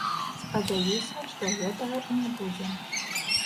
Спадзяюся, што гэтага і не будзе.